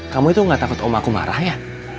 kamu itu gak takut om aku marah ya